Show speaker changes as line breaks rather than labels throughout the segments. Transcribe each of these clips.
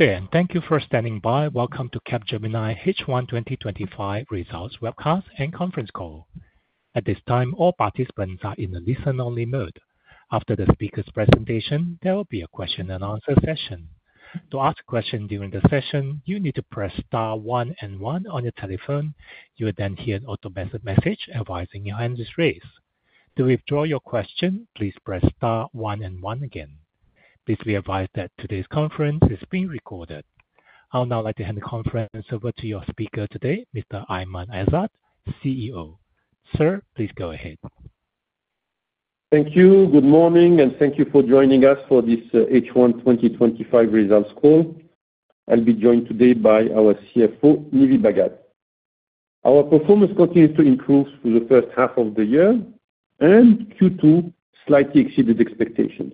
There and thank you for standing by. Welcome to Capgemini H1 2025 Results Webcast and Conference call. At this time all participants are in a listen-only mode. After the speaker's presentation, there will be a Q&A session. To ask a question during the session you need to press star one and one on your telephone. You will then hear an auto message advising your hand is raised. To withdraw your question, please press star one and one again. Please be advised that today's conference is being recorded. I would now like to hand the conference over to your speaker today, Mr. Aiman Ezzat, CEO. Sir, please go ahead.
Thank you. Good morning and thank you for joining us for this H1 2025 results call. I'll be joined today by our CFO Nive Bhagat. Our performance continues to improve through the first half of the year and Q2 slightly exceeded expectations.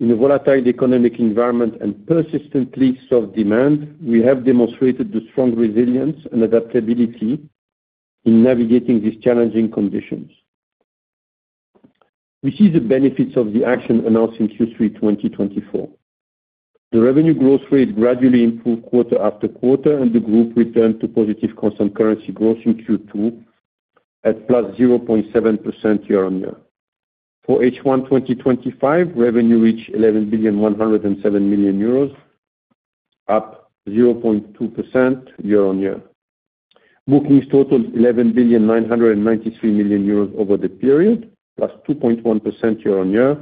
In a volatile economic environment and persistently soft demand, we have demonstrated the strong resilience and adaptability in navigating these challenging conditions. We see the benefits of the action announced in Q3 2024. The revenue growth rate gradually improved quarter-after-quarter and the group returned to positive constant currency growth in Q2 at 0.7% year-on-year. For H1 2025, revenue reached 11.107 billion, up 0.2% year-on-year. ings total EUR 11.993 billion over the period, +2.1% year on year.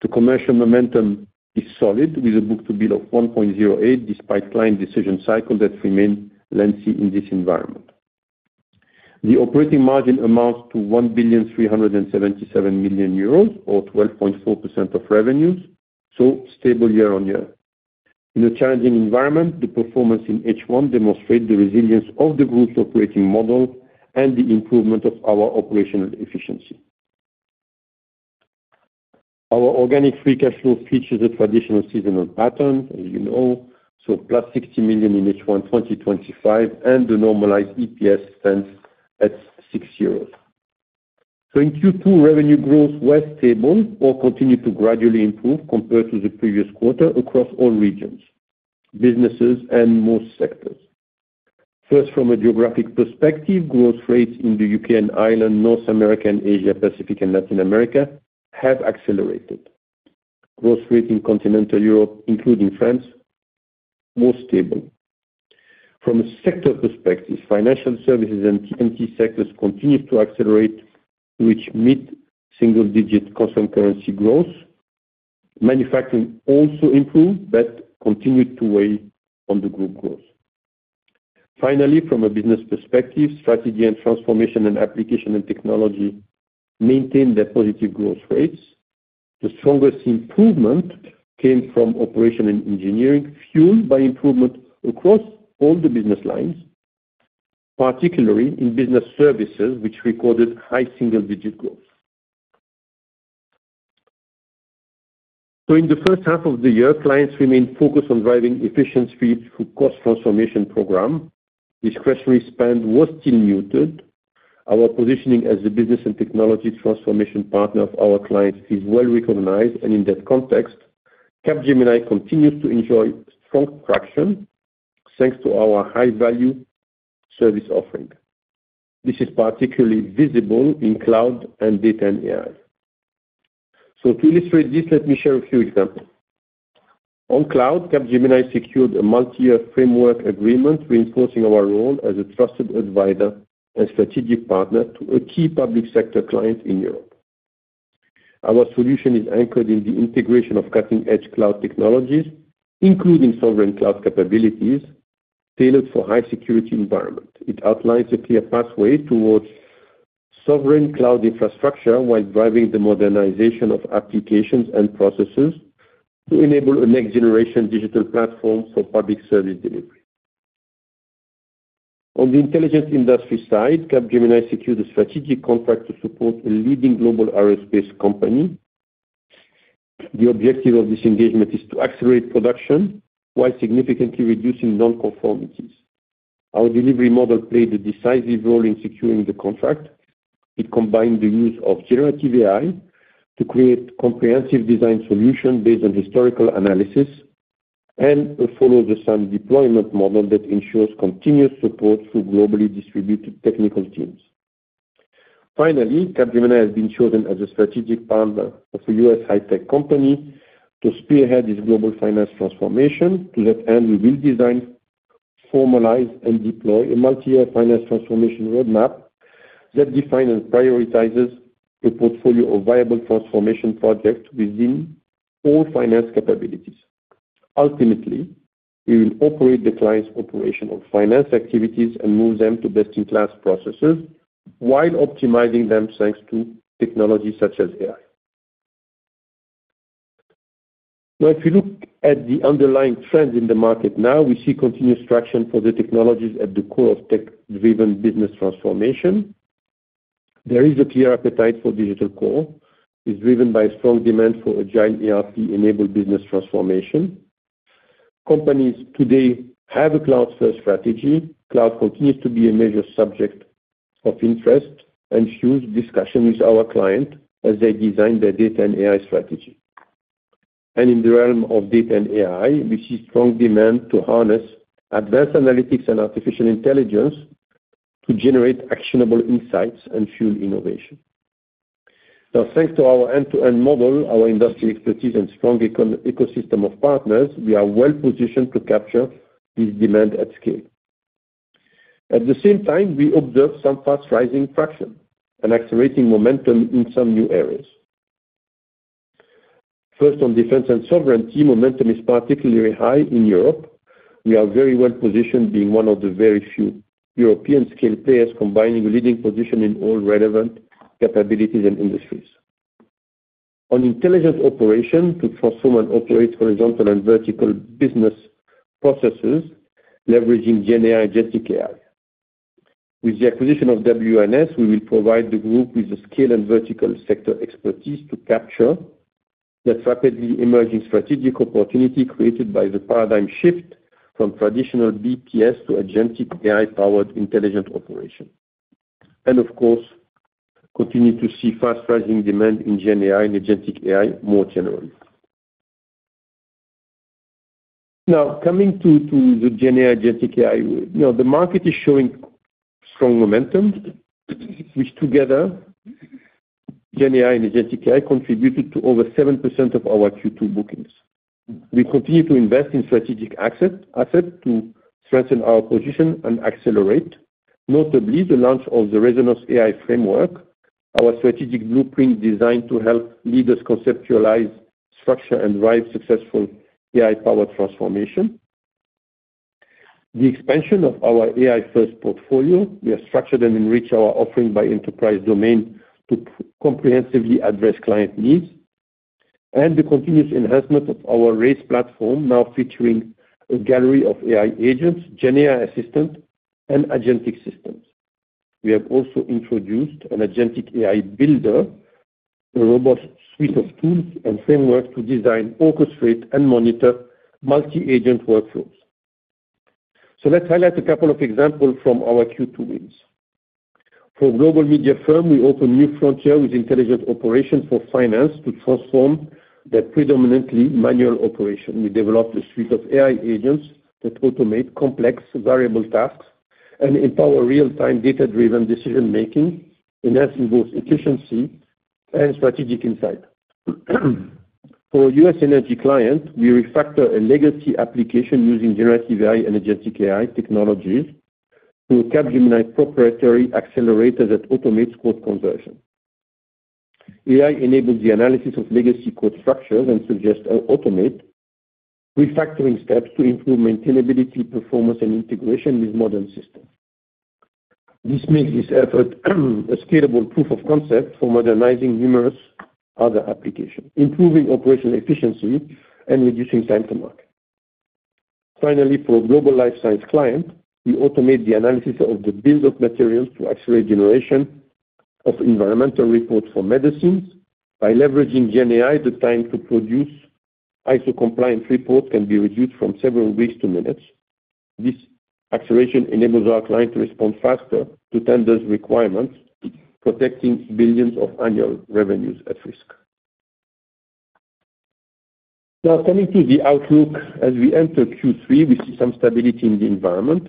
The commercial momentum is solid with a book-to-bill of 1.08％ despite client decision cycles that remain lengthy. In this environment, the operating margin amounts to 1.377 billion euros or 12.4% of revenues. Stable year-on-year in a challenging environment. The performance in H1 demonstrates the resilience of the group's operating model and the improvement of our operational efficiency. Our organic free cash flow features a traditional seasonal pattern, as you know, so +60 million in H1 2025 and the normalized EPS stands at 6 euros. In Q2, revenue growth was stable or continued to gradually improve compared to the previous quarter across all regions, businesses and most sectors. First, from a geographic perspective, growth rates in the U.K. and Ireland, North America and Asia Pacific and Latin America have accelerated. Growth rate in continental Europe including France more stable. From a sector perspective, financial services and TMT sectors continue to accelerate to reach mid-single digit constant currency growth. Manufacturing also improved but continued to weigh on the group growth. Finally, from a business perspective, strategy and transformation and application and technology maintained their positive growth rates. The strongest improvement came from operation and engineering fueled by improvement across all the business lines, particularly in business services which recorded high single digit growth during the first half of the year. Clients remained focused on driving efficiency through cost transformation program. Discretionary spend was still muted. Our positioning as the business and technology transformation partner of our clients is well recognized and in that context Capgemini continues to enjoy strong traction thanks to our high value service offering. This is particularly visible in cloud and data and AI. To illustrate this, let me share a few examples. On cloud, Capgemini secured a multi-year framework agreement reinforcing our role as a trusted advisor and strategic partner to a key public sector client in Europe. Our solution is anchored in the integration of cutting edge cloud technologies including sovereign cloud capabilities tailored for high security environment. It outlines a clear pathway towards sovereign cloud infrastructure while driving the modernization of applications and processes to enable a next generation digital platform for public service delivery. On the intelligence industry side, Capgemini secured a strategic contract to support a leading global aerospace company. The objective of this engagement is to accelerate production while significantly reducing nonconformities. Our delivery model played a decisive role in securing the contract. It combined the use of generative AI to create comprehensive design solutions based on historical analysis and a follow the sun deployment model that ensures continuous support through globally distributed technical teams. Finally, Capgemini has been chosen as a strategic partner of a U.S. high-tech company to spearhead its global finance transformation. To that end we will design, formalize and deploy a multi-year finance transformation roadmap that defines and prioritizes a portfolio of viable transformation projects within our finance capabilities. Ultimately, we will operate the client's operational finance activities and move them to best in class processes while optimizing them thanks to technology such as AI. Now if you look at the underlying trends in the market now, we see continuous traction for the technologies at the core of tech driven business transformation. There is a clear appetite for digital core. It is driven by strong demand for agile ERP enabled business transformation. Companies today have a cloud-first strategy. Cloud continues to be a major subject of interest and fuels discussion with our clients as they design their data and AI strategy. In the realm of data and AI we see strong demand to harness advanced analytics and artificial intelligence to generate actionable insights and fuel innovation. Now, thanks to our end-to-end model, our industry expertise and strong ecosystem of partners, we are well positioned to capture this demand at scale. At the same time, we observe some fast-rising traction and accelerating momentum in some new areas. First, on defense and sovereignty, momentum is particularly high in Europe. We are very well positioned, being one of the very few European scale players combining a leading position in all relevant capabilities and industries on intelligent operations to transform and operate horizontal and vertical business processes. Leveraging generative AI jointly with the acquisition of WNS, we will provide the group with scale and vertical sector expertise to capture that rapidly emerging strategic opportunity created by the paradigm shift from traditional business process services (BPS) to agentic AI-powered intelligent operations and, of course, continue to see fast-rising demand in generative AI and agentic AI more generally. Now, coming to the generative AI jointly, the market is showing strong momentum, which together generative AI and agentic AI contributed to over 7% of our Q2 bookings. We continue to invest in strategic assets to strengthen our position and accelerate, notably the launch of the Resonance AI Framework, our strategic blueprint designed to help leaders conceptualize, structure and drive successful AI-powered transformation, the expansion of our AI First Portfolio. We have structured and enriched our offering by enterprise domain to comprehensively address client needs and the continuous enhancement of our Race platform, now featuring a gallery of AI agents, generative AI Assistant and agentic systems. We have also introduced an Agentic AI Builder, a robust suite of tools and frameworks to design, orchestrate and monitor multi-agent workflows. Let's highlight a couple of examples from our Q2 wins. For a global media firm, we opened a new frontier with intelligent operations for finance. To transform their predominantly manual operation, we developed a suite of AI agents that automate complex variable tasks and empower real-time data-driven decision making, enhancing both efficiency and strategic insight. For a U..S energy client, we refactored a legacy application using generative AI and agentic AI technologies to a Capgemini proprietary accelerator that automates code conversion. AI enables the analysis of legacy code structures and suggests automated refactoring steps to improve maintainability, performance and integration with modern systems. This makes this effort a scalable proof of concept for modernizing numerous other applications, improving operational efficiency and reducing time to market. Finally, for a global life science client, we automate the analysis of the build of materials to accelerate generation of environmental reports for medicines. By leveraging generative AI, the time to produce ISO compliance reports can be reduced from several weeks to minutes. This acceleration enables our client to respond faster to tenders requirements, protecting billions of annual revenues at risk. Now coming to the outlook as we enter Q3, we see some stability in the environment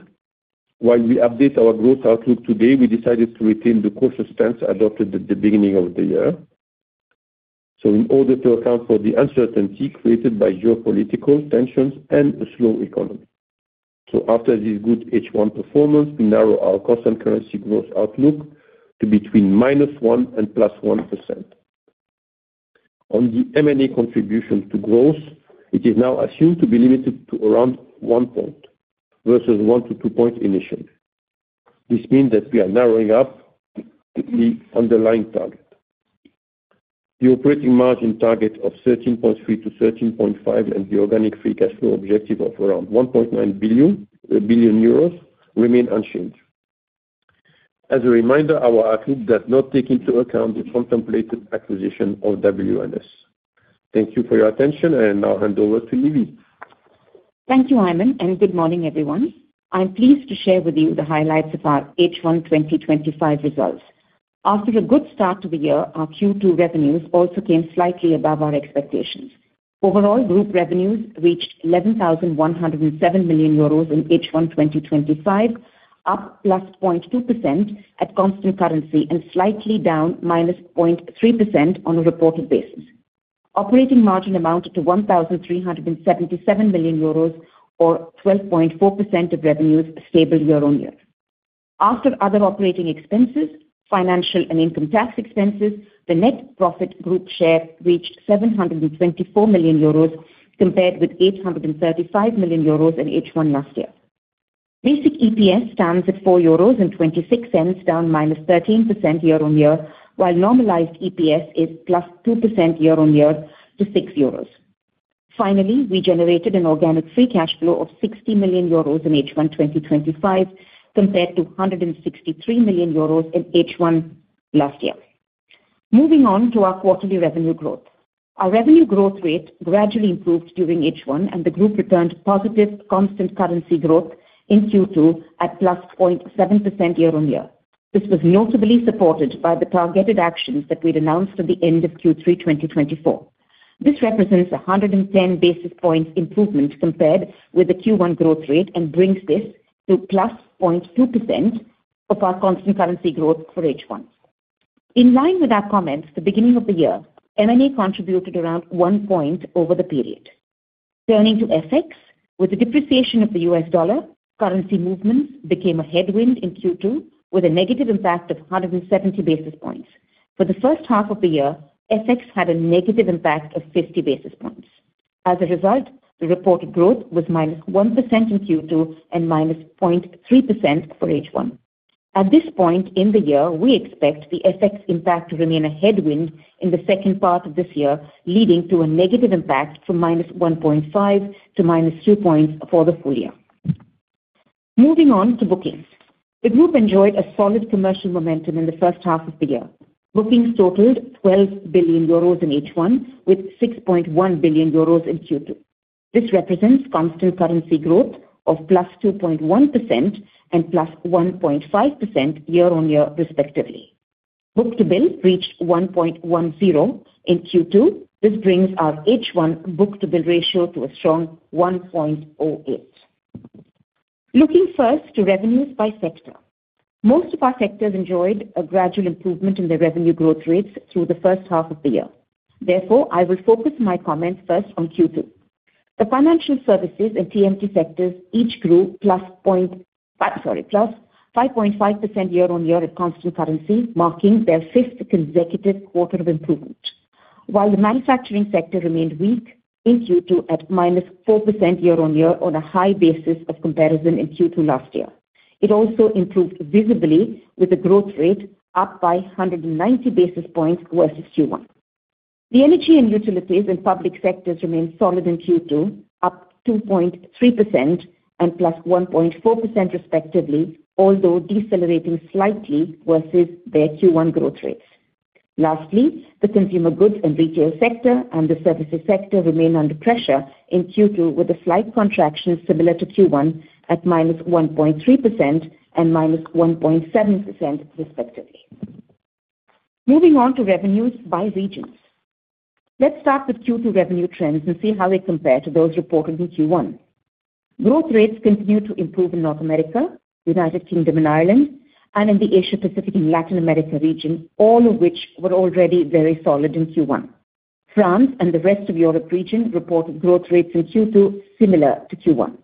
while we update our growth outlook. Today we decided to retain the cautious stance adopted at the beginning of the year, in order to account for the uncertainty created by geopolitical tensions and a slow economy. After this good H1 performance, we narrow our constant currency growth outlook to between -1% and +1% on the M&A contribution to growth. It is now assumed to be limited to around 1% point versus 1%-2% points initially. This means that we are narrowing up the underlying target. The operating margin target of 13.3%-13.5% and the organic free cash flow objective of around 1.9 billion euros remain unchanged. As a reminder, our outlook does not take into account the contemplated acquisition of WNS. Thank you for your attention and now hand over to Nive.
Thank you Aiman and good morning everyone. I'm pleased to share with you the highlights of our H1 2025 results. After a good start to the year, our Q2 revenues also came slightly above our expectations. Overall gGroup revenues reached 11,107 million euros in H1 2025, up +0.2% at constant currency and slightly down -0.3% on a reported basis. Operating margin amounted to 1,377 million euros, or 12.4% of revenues. Stable year-on-year. After other operating expenses, financial and income tax expenses, the net profit Group share reached 724 million euros compared with 835 million euros in H1 last year. Basic EPS stands at 4.26 euros, down -13% year-on-year, while normalized EPS is +2% year-on-year to 6 euros. Finally, we generated an organic free cash flow of 60 million euros in H1 2025 compared to 163 million euros in H1 last year. Moving on to our quarterly revenue growth, our revenue growth rate gradually improved during H1 and the Group returned positive constant currency growth in Q2 at +0.7% year-on-year. This was notably supported by the targeted actions that we'd announced at the end of Q3 2024. This represents 110 basis points improvement compared with the Q1 growth rate and brings this to +0.2% of our constant currency growth for H1. In line with our comments at the beginning of the year, M&A contributed around one point over the period. Turning to FX with the depreciation of the US dollar, currency movements became a headwind in Q2 with a negative impact of 170 basis points. For the first half of the year, FX had a negative impact of 50 basis points. As a result, the reported growth was -1% in Q2 and -0.3% for H1 at this point in the year. We expect the FX impact to remain a headwind in the second part of this year, leading to a negative impact from -1.5% to -2% for the full year. Moving on to bookings, the Group enjoyed a solid commercial momentum in the first half of the year. Bookings totaled 12 billion euros in H1 with 6.1 billion euros in Q2. This represents constant currency growth of +2.1% and 8+1.5% year on year respectively. Book-to-bill reached 1.10% in Q2. This brings our H1 book-to-bill ratio to a strong 1.08%. Looking first to revenues by sector, most of our sectors enjoyed a gradual improvement in their revenue growth rates through the first half of the year. Therefore, I will focus my comments first on Q2. The Financial Services and TMT sectors each grew +5.5% year-on-year at constant currency, marking their fifth consecutive quarter of improvement. While the manufacturing sector remained weak in Q2 at -4% year-on-year on a high basis of comparison in Q2 last year, it also improved visibly with the growth rate up by 190 basis points versus Q1. The energy and utilities and public sectors remained solid in Q2, up 2.3% and + 1.4% respectively, although decelerating slightly versus their Q1 growth rates. Lastly, the consumer goods and retail sector and the services sector remain under pressure in Q2 with a slight contraction similar to Q1 at -1.3% and -1.7% respectively. Moving on to revenues by regions, let's start with Q2 revenue trends and see how they compare to those reported in Q1. Growth rates continued to improve in North America, United Kingdom and Ireland, and in the Asia Pacific and Latin America region, all of which were already very solid in Q1. France and the rest of Europe region reported growth rates in Q2 similar to Q1.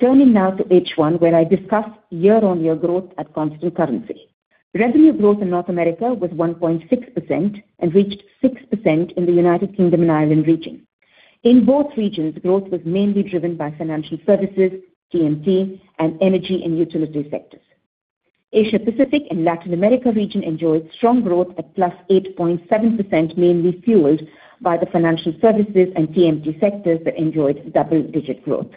Turning now to H1 where I discuss year-on-year growth at constant currency, revenue growth in North America was 1.6% and reached 6% in the United Kingdom and Ireland region. In both regions, growth was mainly driven by financial services, TMT, and energy and utility sectors. Asia Pacific and Latin America region enjoyed strong growth at 8.7%, mainly fueled by the financial services and TMT sectors that enjoyed double-digit growth.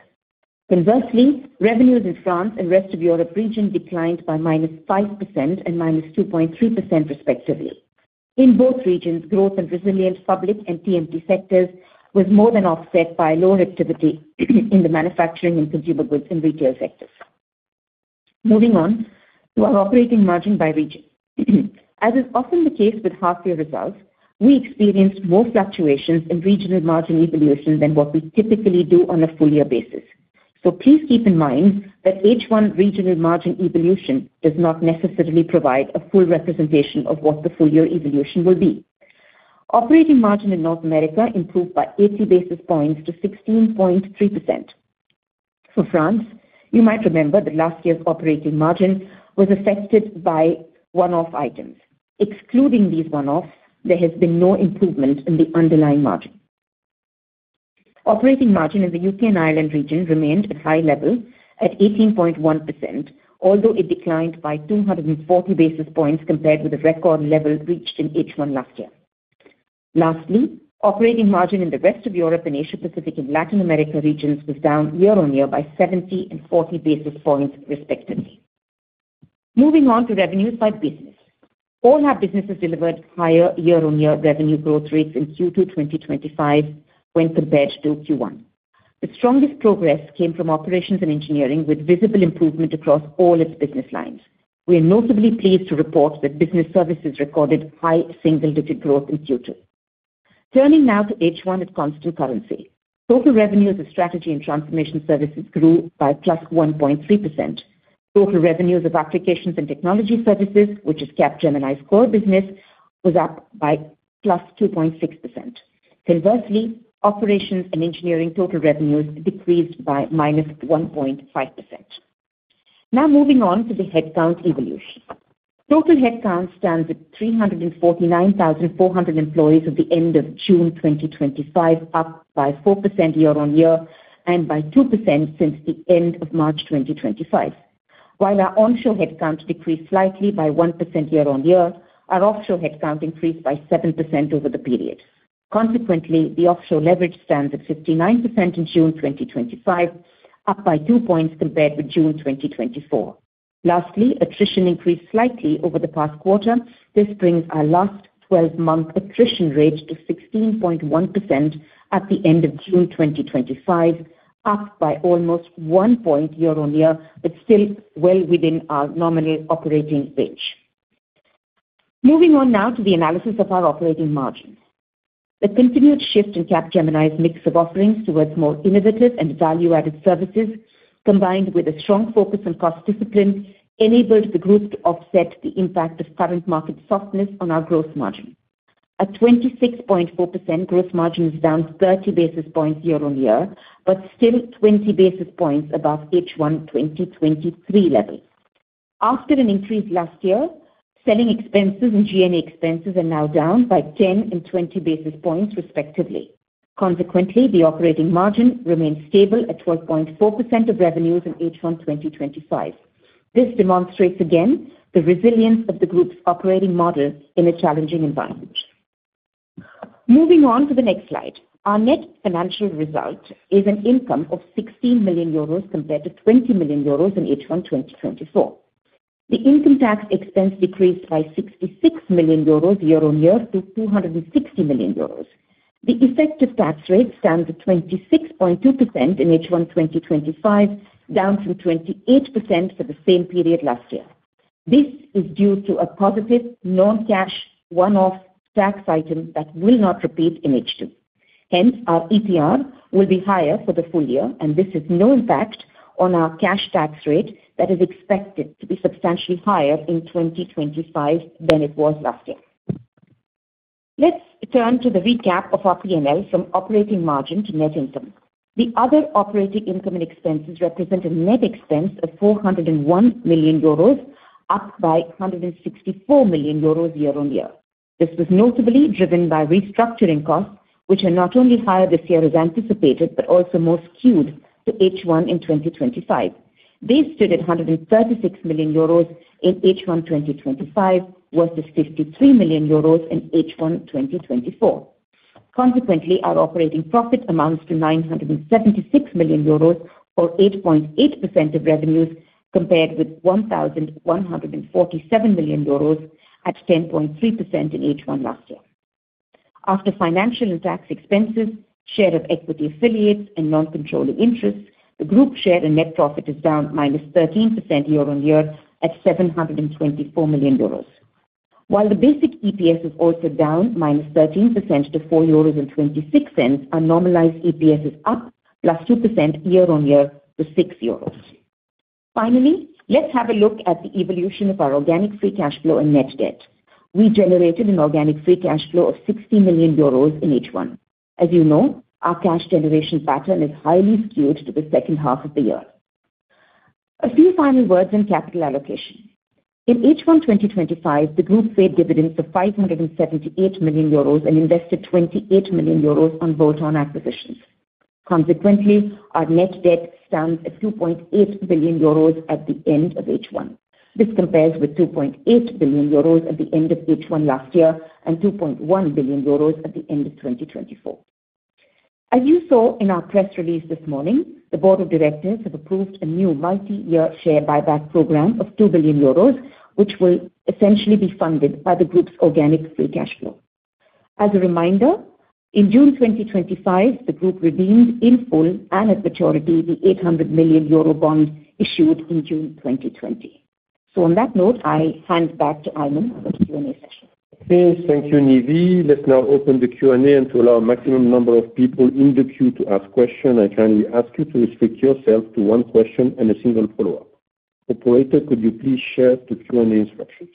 Conversely, revenues in France and rest of Europe region declined by -5% and -2.3% respectively. In both regions, growth in resilient public and TMT sectors was more than offset by lower activity in the manufacturing and consumer goods and retail sectors. Moving on to our operating margin by region, as is often the case with half year results, we experienced more fluctuations in regional margin evolution than what we typically do on a full year basis. Please keep in mind that H1 regional margin evolution does not necessarily provide a full representation of what the full year evolution will be. Operating margin in North America improved by 80 basis points to 16.3%. For France, you might remember that last year's operating margin was affected by one off items. Excluding these one offs, there has been no improvement in the underlying margin. Operating margin in the U.K. and Ireland region remained at high level at 18.1%, although it declined by 240 basis points compared with the record level reached in H1 last year. Lastly, operating margin in the rest of Europe and Asia Pacific and Latin America regions was down year on year by 70 and 40 basis points respectively. Moving on to revenues by business, all our businesses delivered higher year on year revenue growth rates in Q2 2025 when compared to Q1. The strongest progress came from operations and engineering with visible improvement across all its business lines. We are noticeably pleased to report that business services recorded high single-digit growth in Q2. Turning now to H1 at constant currency, total revenues of strategy and transformation services grew by plus 1.3%. Total revenues of applications and technology services, which is Capgemini's core business, was up by +2.6%. Conversely, operations and engineering total revenues decreased by minus 1.5%. Now moving on to the headcount evolution. Total headcount stands at 349,400 employees at the end of June 2025, up by 4% year-on-year and by 2% since the end of March 2025. While our onshore headcount decreased slightly by 1% year on year, our offshore headcount increased by 7% over the period. Consequently, the offshore leverage stands at 59% in June 2025, up by 2 points compared with June 2024. Lastly, attrition increased slightly over the past quarter. This brings our last 12 month attrition rate to 16.1% at the end of June 2025, up by almost 1 point year-on-year but still well within our nominal operating range. Moving on now to the analysis of our operating margin. The continued shift in Capgemini's mix of offerings towards more innovative and value added services, combined with a strong focus on cost discipline, enabled the group to offset the impact of current market softness on our gross margin. A 26.4% gross margin is down 30 basis points year-on-year, but still 20 basis points above H1 2023 after an increase last year. Selling expenses and G&A expenses are now down by 10 and 20 basis points respectively. Consequently, the operating margin remains stable at 12.4% of revenues in H1 2025. This demonstrates again the resilience of the group's operating model in a challenging environment. Moving on to the next slide, our net financial result is an income of 16 million euros compared to 20 million euros in H1 2024. The income tax expense decreased by 66 million euros year-on-year to 260 million euros. The effective tax rate stands at 26.2% in H1 2025, down from 28% for the same period last year. This is due to a positive non-cash one-off tax item that will not repeat in H2. Hence, our ETR will be higher for the full year and this has no impact on our cash tax rate that is expected to be substantially higher in 2025 than it was last year. Let's turn to the recap of our P&L from operating margin to net income. The other operating income and expenses represent a net expense of 401 million euros, up by 164 million euros year-on-year. This was notably driven by restructuring costs which are not only higher this year as anticipated, but also more skewed to H1 in 2025. They stood at 136 million euros in H1 2025 versus 53 million euros in H1 2024. Consequently, our operating profit amounts to 976 million euros or 8.8% of revenues, compared with 1,147 million euros at 10.3% in H1 last year. After financial and tax expenses, share of equity, affiliates and non-controlling interests, the group share and net profit is down minus 13% year-on-year at 724 million euros while the basic EPS is also down -13% to 4.26 euros. Our normalized EPS is up +2% year on year to 6 euros. Finally, let's have a look at the evolution of our organic free cash flow and net debt. We generated an organic free cash flow of 60 million euros in H1. As you know, our cash generation pattern is highly skewed to the second half of the year. A few final words on capital allocation. In H1 2025, the group paid dividends of 578 million euros and invested 28 million euros on bolt-on acquisitions. Consequently, our net debt stands at 2.8 billion euros at the end of H1. This compares with 2.8 billion euros at the end of H1 last year and 2.1 billion euros at the end of 2024. As you saw in our press release this morning, the Board of Directors have approved a new multi-year share buyback program of 2 billion euros, which will essentially be funded by the group's organic free cash flow. As a reminder, in June 2025 the group redeemed in full and at maturity the 800 million euro bond issued in June 2020. On that note, I hand back to Aiman for the Q&A session.
Thank you. Nive. Let's now open the Q&A. To allow a maximum number of people in the queue to ask questions, I kindly ask you to restrict yourself to one question and a single follow up. Operator, could you please share the Q&A instructions?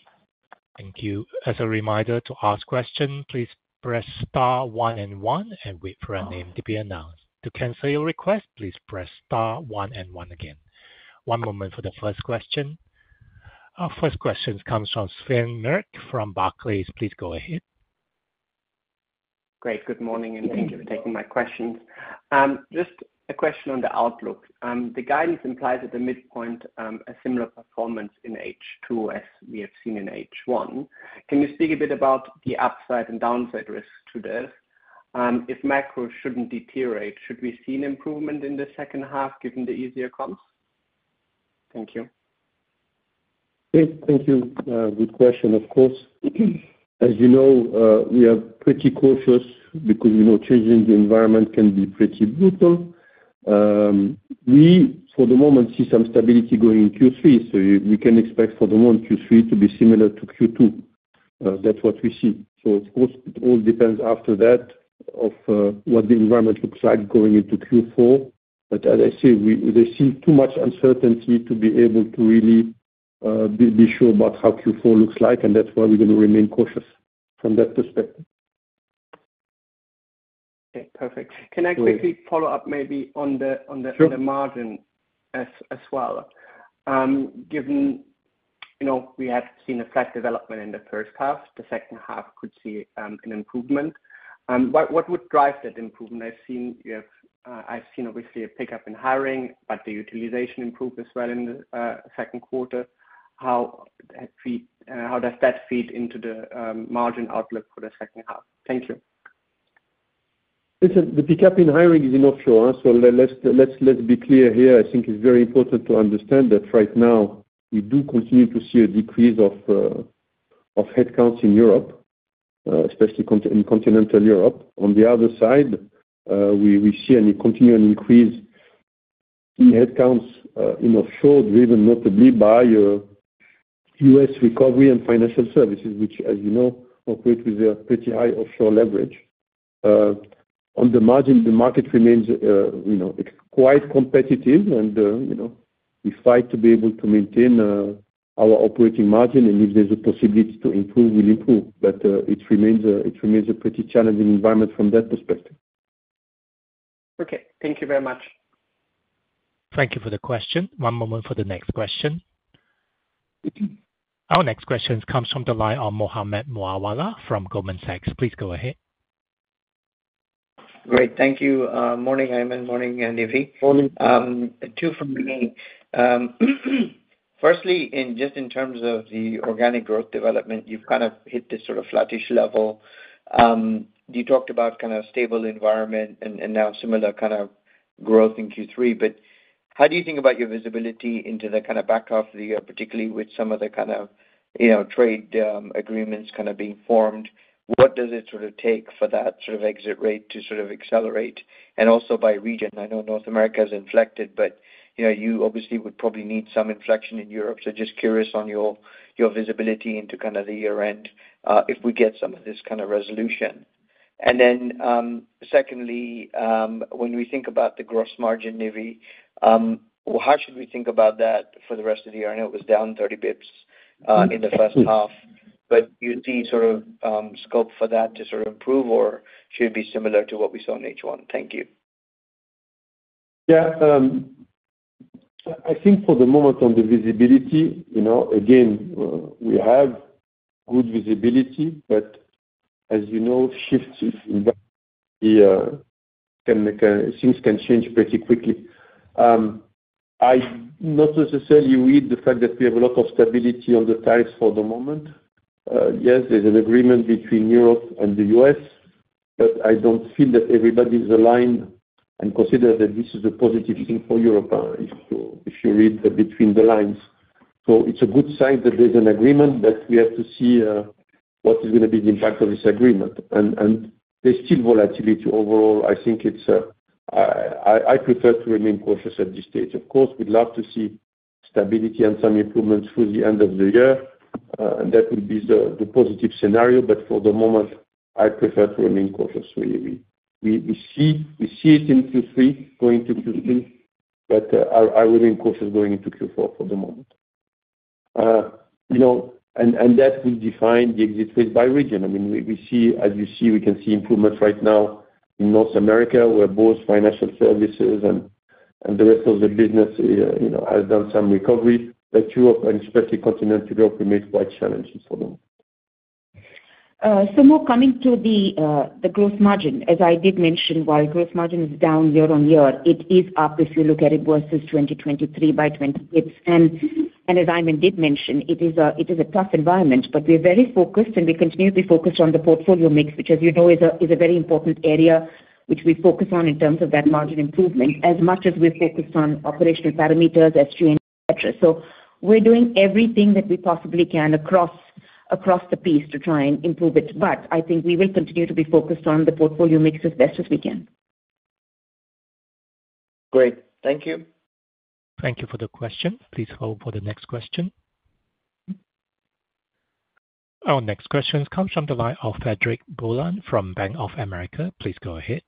Thank you. As a reminder to ask questions, please press star one and one and wait for a name to be announced. To cancel your request, please press star one and one again. One moment for the first question. Our first question comes from Sven Merkt from Barclays. Please go ahead.
Great. Good morning and thank you for taking my questions. Just a question on the outlook. The guidance implies at the midpoint a similar performance in H2 as we have seen in H1. Can you speak a bit about the. Upside and downside risk to this? If macro shouldn't deteriorate, should we see An improvement in the second half given the easier comps? Thank you.
Thank you. Good question. Of course, as you know, we are pretty cautious because we know changing the environment can be pretty brutal. We for the moment see some stability going in Q3. We can expect for the moment Q3 to be similar to Q2. That is what we see. It all depends after that on what the environment looks like going into Q4. As I say, we see too much uncertainty to be able to really be sure about how Q4 looks like. That is why we are going to remain cautious from that perspective.
Perfect. Can I quickly follow up maybe on. The margin as well? Given we have seen a flat development in the first half, the second half Could see an improvement. What would drive that improvement? I've seen. You have I've seen obviously a pickup in hiring, but the utilization improved as well in the second quarter. How does that feed into the margin? Outlook for the second half? Thank you.
Listen, the pickup in hiring is in offshore, so let's be clear here. I think it's very important to understand that right now we do continue to see a decrease of headcounts in Europe, especially in continental Europe. On the other side, we see a continual increase in headcounts in offshore driven notably by U.S. recovery and financial services, which as you know, operate with a pretty high offshore leverage on the margin. The market remains quite competitive and we fight to be able to maintain our operating margin. If there's a possibility to improve, we'll improve. It remains a pretty challenging environment from that perspective.
Okay, thank you very much.
Thank you for the question. One moment for the next question. Our next question comes from the line of Mohammed Moawalla from Goldman Sachs. Please go ahead.
Great, thank you. Morning Aiman. Morning Nive.
Morning.
Two from me. Beginning, firstly, just in terms of the organic growth development, you've kind of hit this sort of flattish level. You talked about kind of stable environment and now similar kind of growth in Q3. How do you think about your visibility into the kind of back half of the year, particularly with some of the kind of trade agreements kind of being formed? What does it sort of take for that sort of exit rate to sort of accelerate? Also by region, I know North America has inflected, but you obviously would probably need some inflection in Europe. Just curious on your visibility into kind of the year end if we get some of this kind of resolution. Secondly, when we think about the gross margin, Nive, how should we think about that for the rest of the year? I know it was down 30 basis points in the first half, but do you see sort of scope for that to sort of improve or should it be similar to what we saw in H1? Thank you.
Yeah, I think for the moment on the visibility, again we have good visibility, but as you know, shifts, things can change pretty quickly. I not necessarily read the fact that we have a lot of stability on the tariffs for the moment. Yes, there's an agreement between Europe and the U.S. but I don't see that everybody's aligned and consider that this is a positive thing for Europe, if you read between the lines. It is a good sign that there's an agreement that we have to see what is going to be the impact of this agreement. There is still volatility overall, I think it's, I prefer to remain cautious at this stage. Of course we'd love to see stability and some improvements through the end of the year and that would be the positive scenario. For the moment I prefer to remain cautious really. We see it in Q3 going into Q2, but I remain cautious going into Q4 for the moment. That will define the exit phase by region. I mean we see, as you see, we can see improvements right now in North America, where both financial services and the rest of the business has done some recovery. Europe and especially continental Europe remains quite challenging for them.
More coming to the gross margin. As I did mention, while gross margin is down year-on-year, it is up if you look at it versus 2023 by 2026. As Aiman did mention, it is a tough environment. We are very focused and we continue to be focused on the portfolio mix, which, as you know, is a very important area which we focus on in terms of that margin improvement as much as we are focused on operational parameters. We are doing everything that we possibly can across the piece to try and improve it. I think we will continue to be focused on the portfolio mix as best as we can.
Great. Thank you.
Thank you for the question. Please hold for the next question. Our next question comes from the line of Frederick [Golan] from Bank of America. Please go ahead.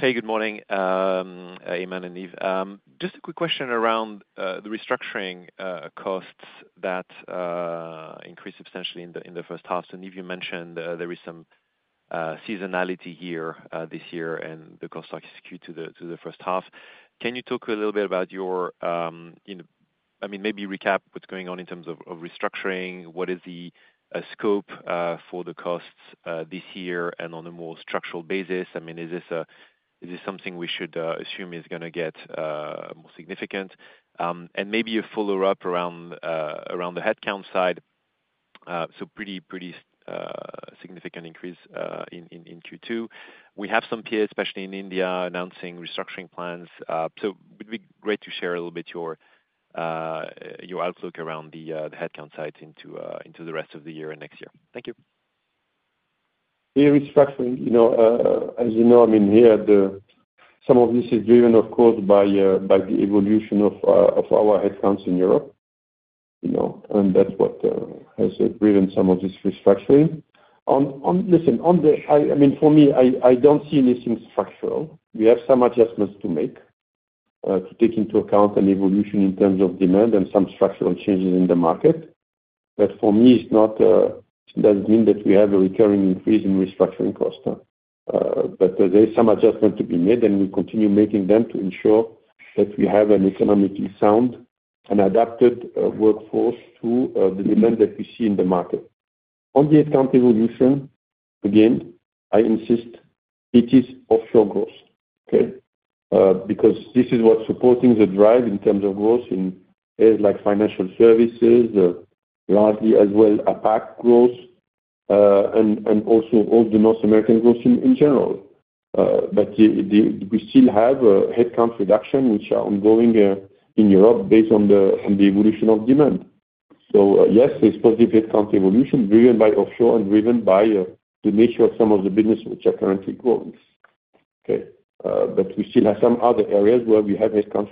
Hey, good morning, Aiman and Nive. Just a quick question around the restructuring costs that increased substantially in the first half. So Nive, you mentioned there is some seasonality here this year and the cost is skewed to the first half. Can you talk a little bit about your, I mean maybe recap what's going on in terms of restructuring? What is the scope for the costs this year and on a more structural basis, I mean is this a, is this something we should assume is going to get more significant and maybe a follow up around the headcount side? Pretty significant increase in Q2. We have some PA, especially in India announcing restructuring plans. It would be great to share a little bit your outlook around the headcount side into the rest of the year and next year. Thank you.
Restructuring, you know, as you know, I mean here some of this is driven of course by the evolution of our headcounts in Europe, you know, and that's what has driven some of this restructuring. Listen, I mean for me I don't see anything structural. We have some adjustments to make to take into account an evolution in terms of demand and some structural changes in the market. For me it's not, doesn't mean that we have a recurring increase in restructuring cost. There is some adjustment to be made and we continue making them to ensure that we have an economically sound and adapted workforce to the demand that we see in the market. On the headcount evolution, again, I insist it is offshore growth because this is what's supporting the drive in terms of growth in like financial services largely as well APAC growth and also all the North American growth in general. We still have headcount reduction which are ongoing in Europe based on the evolution of demand. Yes, there's positive headcount evolution driven by offshore and driven by the nature of some of the business which are currently growing. We still have some other areas where we have headcount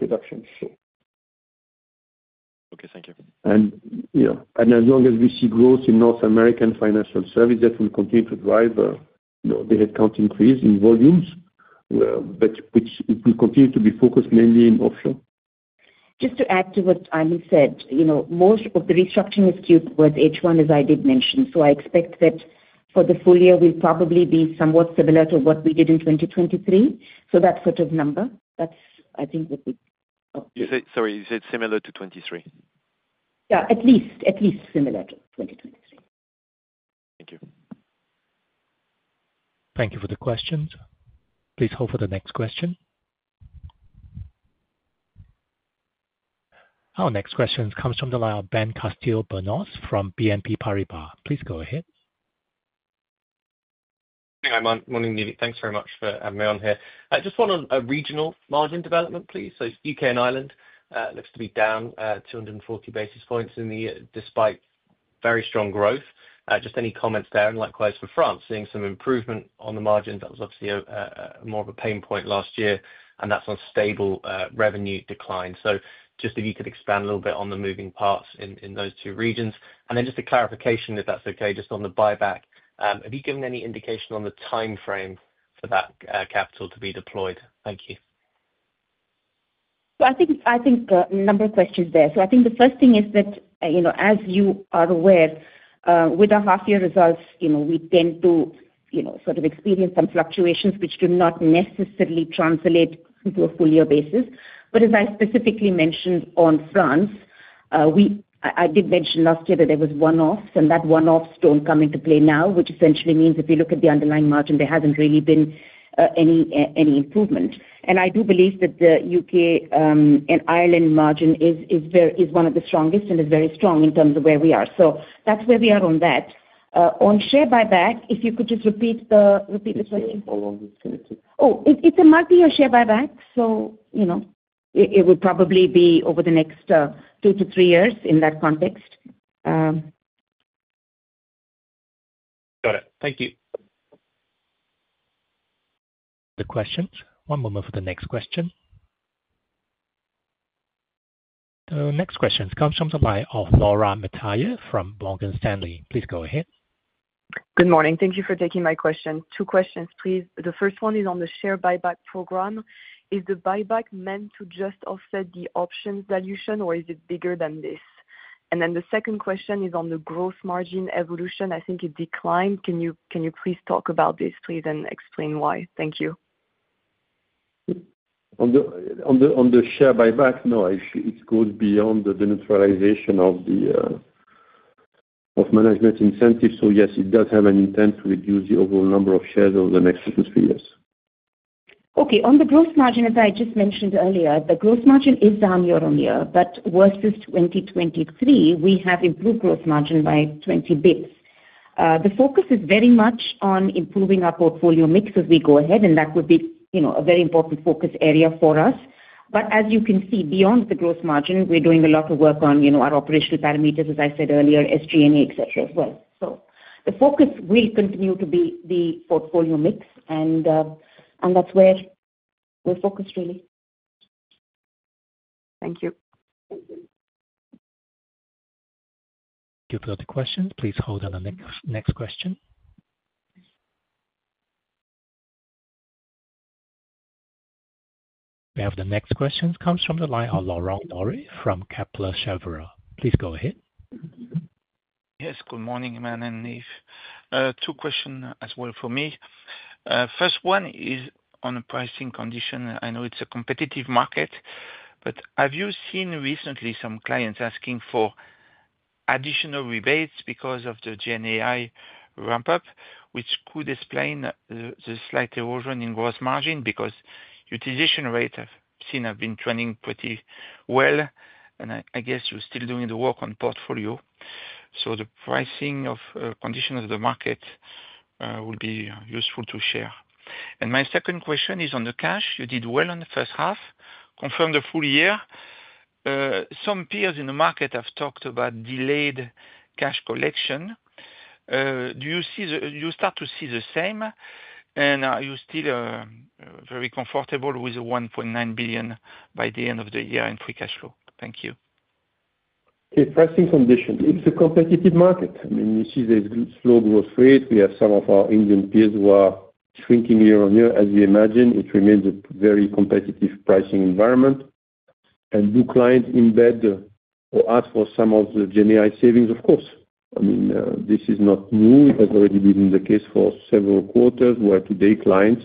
reductions. As long as we see growth in North American financial services, that will continue to drive the headcount increase in volumes, which will continue to be focused mainly in offshore.
Just to add to what Aiman said, most of the restructuring is skewed with H1, as I did mention. I expect that for the full year we'll probably be somewhat similar to what we did in 2023. That sort of number. That's, I think.
Sorry, you said similar to 2023?
Yeah, at least. At least similar to 2023.
Thank you.
Thank you for the questions. Please hold for the next question. Our next question comes from the line of Ben Castillo-Bernaus from BNP Paribas. Please go ahead.
Morning Nive, thanks very much for having me on here. Just one on a regional margin development, please. U.K. and Ireland looks to be down 240 basis points in the year despite very strong growth. Just any comments there. Likewise for France, seeing some improvement on the margins. That was obviously more of a pain point last year and that's on stable revenue decline. Just if you could expand a little bit on the moving parts in those two regions and then just a clarification if that's okay, just on the buyback, have you given any indication on the time frame for that capital to be deployed? Thank you.
I think a number of questions there. I think the first thing is that as you are aware with our half-year results, we tend to sort of experience some fluctuations which do not necessarily translate into a full-year basis. As I specifically mentioned on France, I did mention last year that there was one-offs and that one-offs do not come into play now, which essentially means if you look at the underlying margin, there has not really been any improvement. I do believe that the U.K. and Ireland margin is one of the strongest and is very strong in terms of where we are. That is where we are on that. On share buyback, if you could just repeat the question. Oh, it is a multi-year share buyback, so you know, it would probably be over the next two-three years in that context.
Got it. Thank you.
The questions. One moment for the next question. The next question comes from the line of Laura Metayer from Morgan Stanley. Please go ahead.
Good morning. Thank you for taking my question. Two questions please. The first one is on the share buyback program. Is the buyback meant to just offset the option or is it bigger than this? The second question is on the gross margin evolution. I think it declined. Can you please talk about this please and explain why? Thank you.
On the share buyback, no, it goes beyond the neutralization of the of management incentives. Yes, it does have an intent to reduce the overall number of shares over the next two-three years.
Okay. On the gross margin, as I just mentioned earlier, the gross margin is down year-on-year, but versus 2023, we have improved gross margin by 20 basis points. The focus is very much on improving our portfolio mix as we go ahead and that would be a very important focus area for us. As you can see beyond the gross margin, we're doing a lot of work on our operational parameters, as I said earlier, SG&A etc as well. The focus will continue to be the portfolio mix and that's where we're focused really. Thank you.
Thank you for the questions. Please hold on. The next question we have. The next question comes from the line of Laurent Daure from Kepler Cheuvreux. Please go ahead.
Yes, good morning, Aiman and Nive, two questions as well for me. First one is on a pricing condition. I know it's a competitive market, but have you seen recently some clients asking for additional rebates because of the generative AI ramp up, which could explain the slight erosion in gross margin because utilization rate I've seen have been trending pretty well. I guess you're still doing the work on portfolio. The pricing condition of the market will be useful to share. My second question is on the cash. You did well on the first half, confirmed the full year. Some peers in the market have talked about delayed cash collection. Do you start to see the same? Are you still very comfortable with 1.9 billion by the end of the year in free cash flow? Thank you.
Okay, pricing conditions. It's a competitive market. I mean, you see there's slow growth rate. We have some of our Indian peers who are shrinking year-on-year as we imagine. It remains a very competitive pricing environment. Do clients embed or ask for some of the GenAI savings? Of course. I mean this is not new. It has already been the case for several quarters where today clients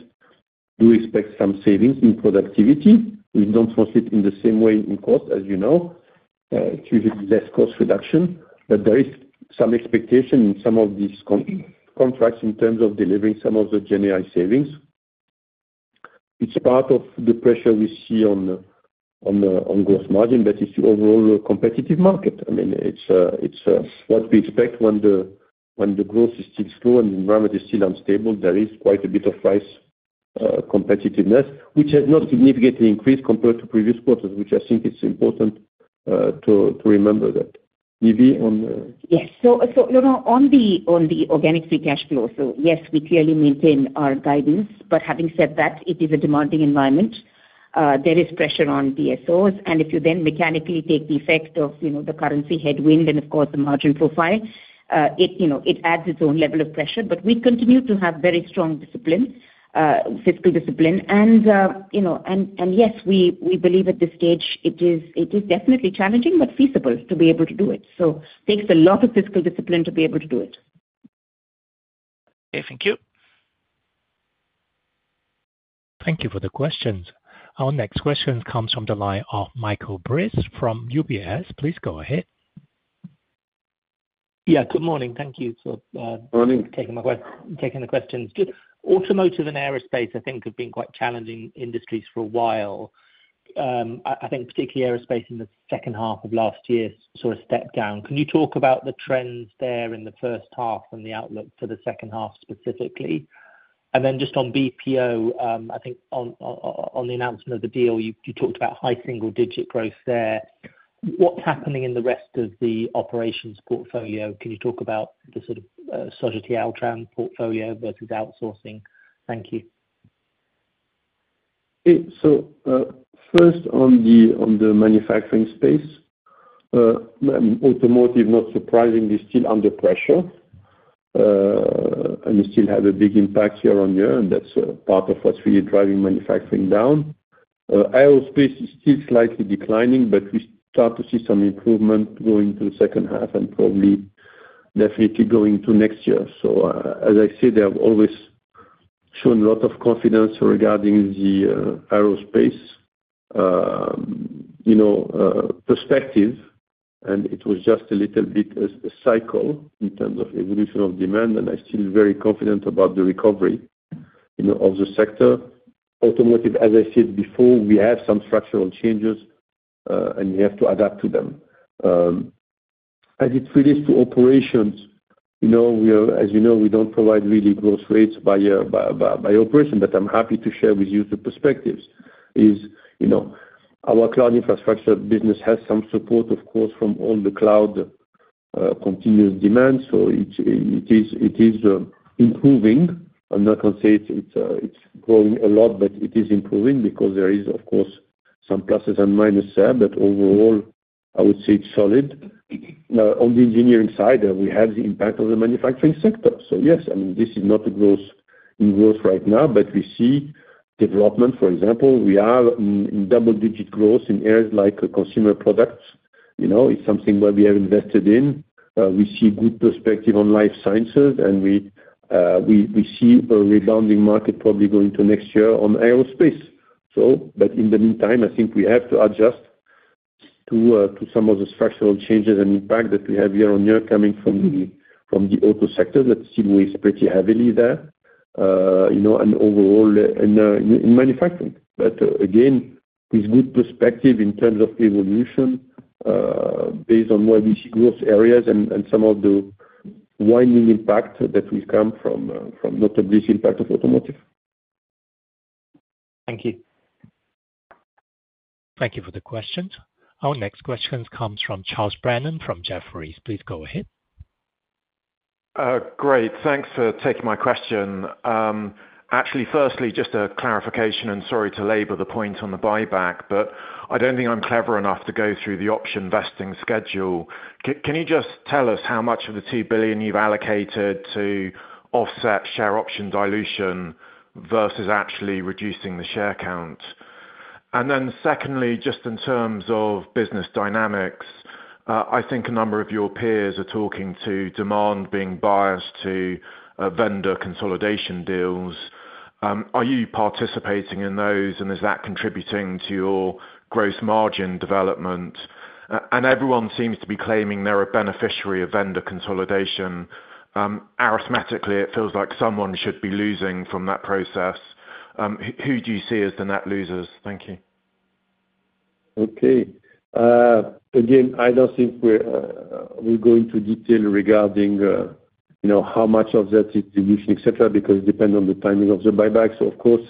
do expect some savings in productivity. We do not translate in the same way in cost, as you know, less cost reduction but there is some expectation in some of these contracts in terms of delivering some of the GenAI savings. It's part of the pressure we see on gross margin but it's the overall competitive market. I mean it's what we expect when the growth is still slow and the environment is still unstable. There is quite a bit of price competitiveness which has not significantly increased compared to previous quarters which I think is important to remember that. Nive, on
Yes, so on the organic free cash flow. Yes, we clearly maintain our guidance. Having said that, it is a demanding environment. There is pressure on DSOs, and if you then mechanically take the effect of the currency headwind and, of course, the margin profile, it adds its own level of pressure. We continue to have very strong discipline, fiscal discipline, and yes, we believe at this stage it is definitely challenging but feasible to be able to do it. It takes a lot of fiscal discipline to be able to do it.
Thank you.
Thank you for the questions. Our next question comes from the line of Michael Briest from UBS. Please go ahead.
Yeah, good morning. Thank you for taking the questions. Automotive and aerospace I think have been quite challenging industries for a while. I think particularly aerospace in the second half of last year sort of stepped down. Can you talk about the trends there in the first half and the outlook for the second half specifically? Then just on BPO I think on the announcement of the deal you talked about high single-digit growth there. What's happening in the rest of the operations portfolio? Can you talk about the sort of Sogeti-Altran portfolio versus outsourcing? Thank you.
First on the manufacturing space, automotive not surprisingly still under pressure and still has a big impact year on year and that is part of what is really driving manufacturing down. Aerospace is still slightly declining but we start to see some improvement going to the second half and probably definitely going to next year. As I said, I have always shown a lot of confidence regarding the aerospace perspective and it was just a little bit a cycle in terms of evolution of demand and I feel very confident about the recovery of the sector. Automotive, as I said before, we have some structural changes and we have to adapt to them as it relates to operations. As you know, we do not provide really growth rates by operation. I am happy to share with you the perspectives as our cloud infrastructure business has some support of course from all the cloud continuous demand. It is improving. I am not going to say it is growing a lot but it is improving because there are of course some pluses and minuses, but overall I would say it is solid. On the engineering side we have the impact of the manufacturing sector. This is not in growth right now, but we see development, for example, we are double digit growth in areas like consumer products. You know, it is something where we have invested in. We see good perspective on life sciences and we see a rebounding market probably going to next year on aerospace. In the meantime I think we have to adjust to some of the structural changes and impact that we have year on year coming from the auto sector that still weighs pretty heavily there and overall in manufacturing, but again with good perspective in terms of evolution based on where we see growth areas and some of the winding impact that we have come from, notably impact of automotive. Thank you.
Thank you for the question. Our next question comes from Charles Brennan from Jefferies. Please go ahead.
Great. Thanks for taking my question. Actually, firstly, just a clarification and sorry to labor the point on the buyback, but I do not think I am clever enough to go through the option vesting schedule. Can you just tell us how much of the 2 billion you have allocated to offset share option dilution versus actually reducing the share count? Secondly, just in terms of business dynamics, I think a number of your peers are talking to demand being biased to vendor consolidation deals. Are you participating in those and is that contributing to your gross margin development? Everyone seems to be claiming they are a beneficiary of vendor consolidation. Arithmetically, it feels like someone should be losing from that process. Who do you see as the net losers? Thank you.
Okay. Again, I don't think we'll go into detail regarding how much of that is dilution, etc, because it depends on the timing of the buyback. Of course,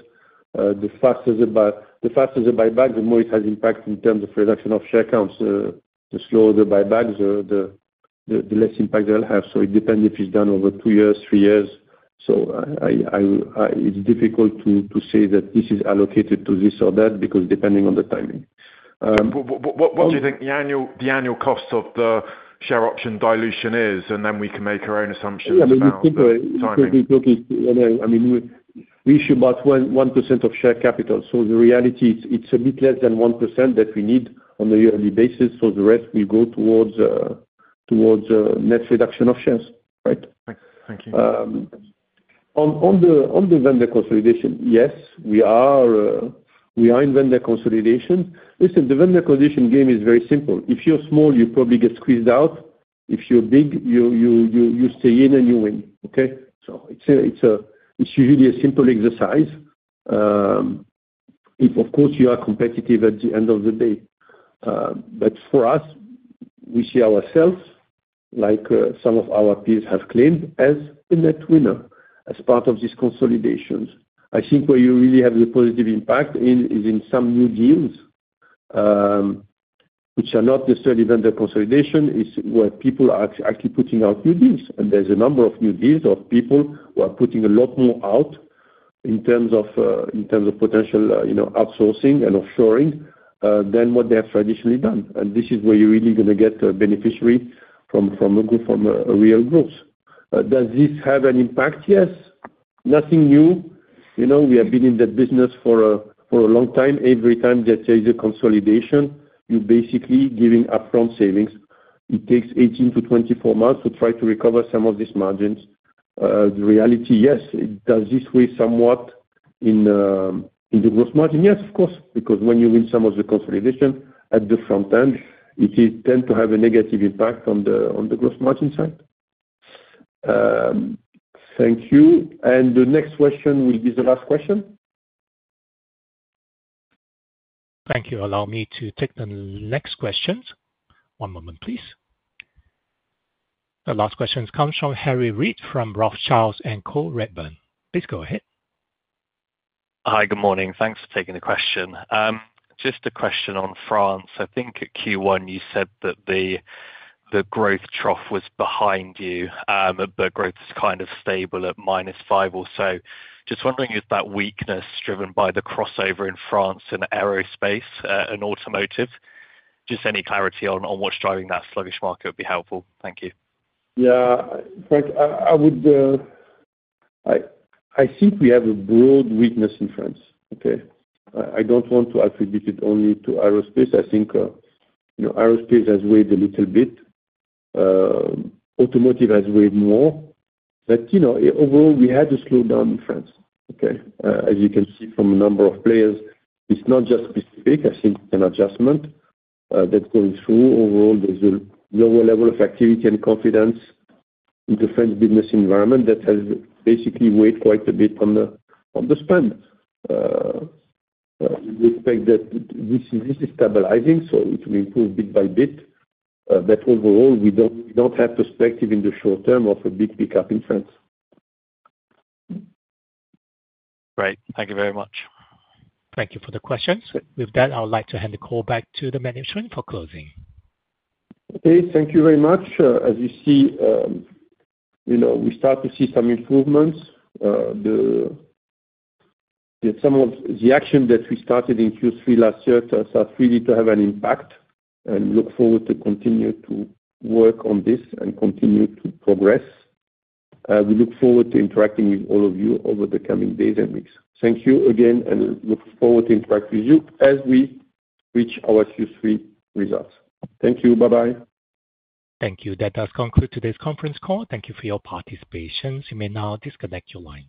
the faster the buyback, the more it has impact in terms of reduction of share counts. The slower the buyback, the less impact they'll have. It depends if it's done over two years, three years. It's difficult to say that this is allocated to this or that because depending on the timing,
What do you. Think the annual cost of the share option dilution is? Then we can make our own assumptions.
We issue about 1% of share capital. The reality is it's a bit less than 1% that we need on a yearly basis. The rest will go towards net reduction of shares.
Right, thank you.
On the vendor consolidation. Yes, we are in vendor consolidation. Listen, the vendor consolidation game is very simple. If you're small, you probably get squeezed out. If you're big, you stay in and you win. Okay. It is usually a simple exercise if, of course, you are competitive at the end of the day. For us, we see ourselves, like some of our peers have claimed, as a net winner as part of these consolidations. I think where you really have the positive impact is in some new deals, which are not necessarily vendor consolidation, where people are actually putting out new deals. There are a number of new deals of people who are putting a lot more out in terms of potential outsourcing and offshoring than what they have traditionally done. This is where you're really going to get a beneficiary from real growth. Does this have an impact? Yes. Nothing new. We have been in that business for a long time. Every time there is a consolidation, you basically giving upfront savings. It takes 18 months-24 months to try to recover some of these margins. The reality. Yes. Does this weigh somewhat in the gross margin? Yes, of course. Because when you win some of the consolidation at the front end, it tends to have a negative impact on the gross margin side. Thank you. The next question will be the last question.
Thank you. Allow me to take the next question. One moment, please. The last question comes from Harry Reid from Rothschild and Co Redburn. Please go ahead.
Hi, good morning. Thanks for taking the question. Just a question on France. I think at Q1, you said that The growth trough was behind you, but growth is kind of stable at -5% or so. Just wondering if that weakness driven by The crossover in France and aerospace and automotive, just any clarity on what's driving that sluggish market would be helpful. Thank you.
Yeah. France, I think we have a broad weakness in France. Okay. I do not want to attribute it only to aerospace. I think aerospace has weighed a little bit, automotive has weighed more. But, you know, overall we had a slowdown in France. Okay. As you can see from a number of players, it is not just specific. I think an adjustment that is going through. Overall, there is a lower level of activity and confidence in the French business environment that has basically weighed quite a bit on the spend. We expect that this is stabilizing, so it will improve bit by bit. Overall we do not have perspective in the short term of a big pickup in insurance.
Great. Thank you very much.
Thank you for the questions. With that, I would like to hand the call back to the management for closing.
Okay, thank you very much. As you see, you know, we start to see some improvements, some of the action that we started in Q3 last year start really to have an impact and look forward to continue to work on this and continue to progress. We look forward to interacting with all of you over the coming days and weeks. Thank you again and look forward to interacting with you as we reach our Q3 results. Thank you. Bye bye.
Thank you. That does conclude today's conference call. Thank you for your participation. You may now disconnect your lines.